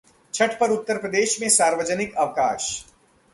छठ पर उत्तर प्रदेश में सार्वजनिक अवकाश